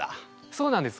そうなんです。